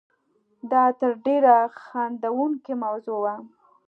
دا تر ډېره خندوونکې موضوع وه.